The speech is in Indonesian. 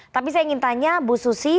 tapi saya ingin tanya bu susi